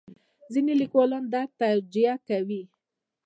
ځینې لیکوالان درد توجیه کوي.